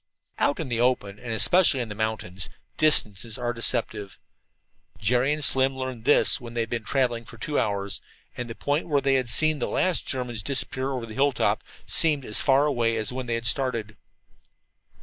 Out in the open, and especially in the mountains, distances are deceptive. Jerry and Slim learned this when they had been traveling for two hours, and the point where they had seen the last German disappear over a hilltop seemed as far away as when they started.